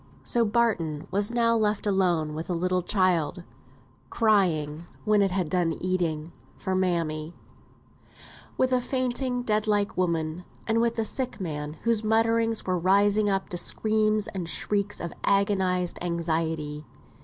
So Barton was now left alone with a little child, crying (when it had done eating) for mammy; with a fainting, dead like woman; and with the sick man, whose mutterings were rising up to screams and shrieks of agonised anxiety.